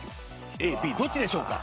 ＡＢどっちでしょうか？